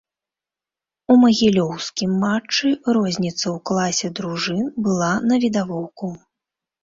У магілёўскім матчы розніца ў класе дружын была навідавоку.